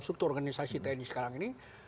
struktur organisasi tni sekarang ini